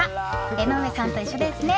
江上さんと一緒ですね。